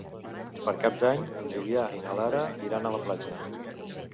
Per Cap d'Any en Julià i na Lara iran a la platja.